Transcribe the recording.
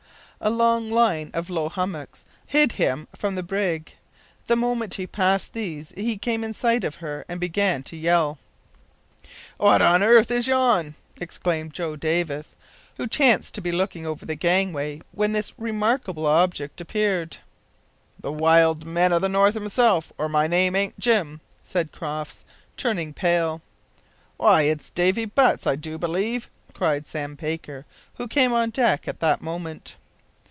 A long line of low hummocks hid him from the brig. The moment he passed these he came in sight of her and began to yell. "Wot on airth is yon?" exclaimed Joe Davis, who chanced to be looking over the gangway when this remarkable object appeared. "The wild man o' the North himself, or my name aint Jim," said Crofts, turning pale. "Why, it's Davy Butts, I do believe," cried Sam Baker, who came on deck at that moment.